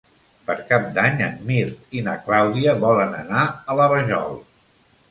Per Cap d'Any en Mirt i na Clàudia volen anar a la Vajol.